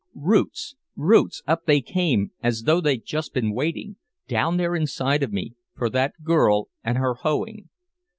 Roots, roots, up they came, as though they'd just been waiting, down there deep inside of me, for that girl and her hoeing.